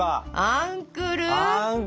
アンクル！